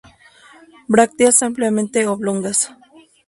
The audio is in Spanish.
Brácteas ampliamente oblongas.